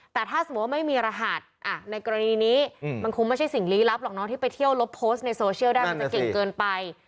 แต่ถ้าสมมุติว่าไม่มีรหัสในกรณีนี้มันคงไม่ใช่สิ่งลี้ลับหรอกเนาะที่ไปเที่ยวลบโพสต์ในโซเชียลได้มันจะเก่งเกินไป